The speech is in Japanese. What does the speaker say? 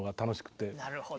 なるほど。